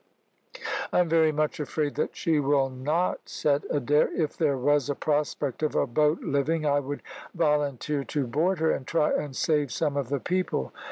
"I am very much afraid that she will not," said Adair. "If there was a prospect of a boat living I would volunteer to board her, and try and save some of the people."